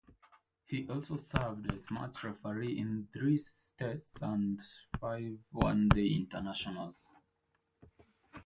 He also served as match referee in three Tests and five One Day Internationals.